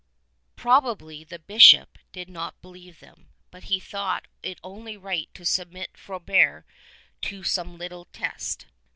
Probably the Bishop did not believe them, but he thought it only right to submit Frobert to some little test.